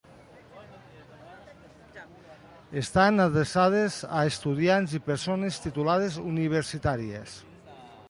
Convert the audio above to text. Estan adreçades a estudiants i persones titulades universitàries.